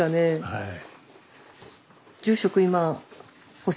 はい。